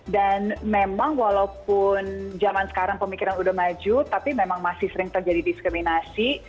dan memang walaupun zaman sekarang pemikiran sudah maju tapi memang masih sering terjadi diskriminasi